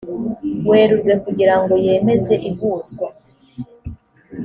werurwe kugira ngo yemeze ihuzwa